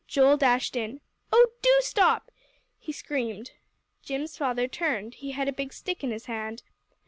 Joel dashed in. "Oh, do stop!" he screamed. Jim's father turned; he had a big stick in his hand.